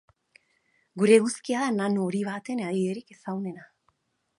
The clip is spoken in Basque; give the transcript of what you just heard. Gure eguzkia da nano hori baten adibiderik ezagunena.